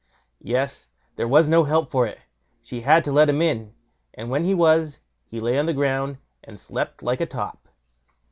Yes! there was no help for it. She had to let him in, and when he was, he lay on the ground and slept like a top.